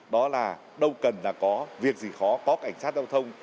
đó là đâu cần là có việc gì khó có cảnh sát giao thông